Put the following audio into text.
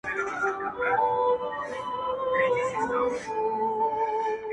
لكه زركي هم طنازي هم ښايستې وې٫